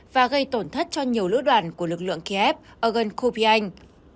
và gây tổn thất cho nhiều lữ đoàn của lực lượng kiev ở gần kupyans